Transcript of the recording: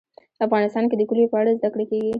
افغانستان کې د کلیو په اړه زده کړه کېږي.